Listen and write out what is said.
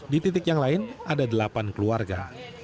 di titik yang lain ada delapan keluarga